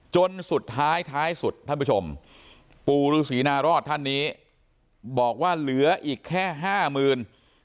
จนสุดท้ายท้ายสุดท่านผู้ชมปู่ฤษีนารอดท่านนี้บอกว่าเหลืออีกแค่ห้าหมื่น